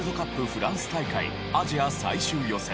フランス大会アジア最終予選